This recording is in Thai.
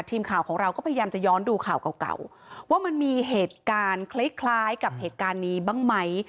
ทีมข่าวของเราก็พยายามจะย้อนดูข่าวเก่าว่ามันมีเหตุการณ์คล้ายกับเหตุการณ์นี้บ้างไหม